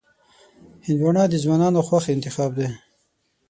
هندوانه د ځوانانو خوښ انتخاب دی.